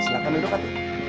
silahkan hidup kak